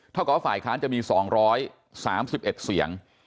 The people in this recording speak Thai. เท่ากับว่าฝ่ายค้านจะมี๒๓๑เสียง